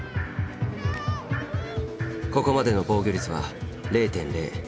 ここまでの防御率は０．０。